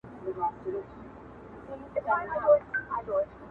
د خپل نشتوالي له امله یې بخښنه هم وغوښتله